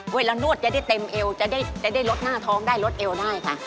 เวลานวดจะได้เต็มเอวจะได้ลดหน้าท้องได้ลดเอวได้ค่ะ